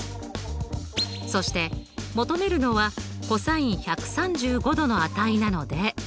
そして求めるのはｃｏｓ１３５°の値なので。